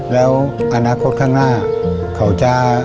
แล้วอนาคตข้างหน้าเขาจะ